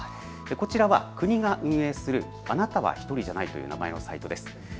こちらは国が運営するあなたはひとりじゃないという名前のサイトです。